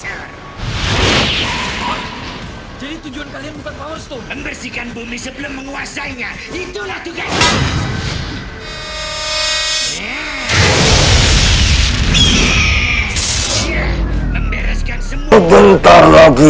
apa yang terjadi